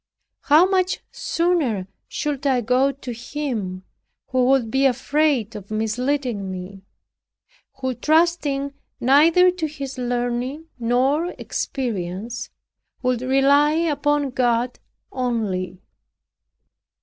How much sooner should I go to him who would be afraid of misleading me; who trusting neither to his learning nor experience, would rely upon God only!